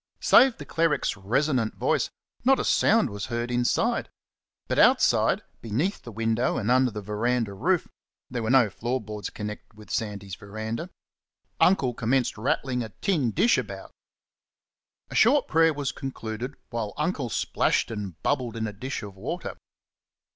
Save the cleric's resonant voice, not a sound was heard inside. But outside, beneath the window and under the verandah roof there were no floor boards connected with Sandy's verandah Uncle commenced rattling a tin dish about. A short prayer was concluded while Uncle splashed and bubbled in a dish of water.